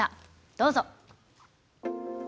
どうぞ。